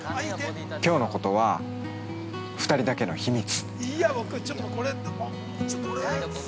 きょうのことは二人だけの秘密。